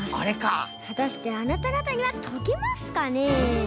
はたしてあなたがたにはとけますかね？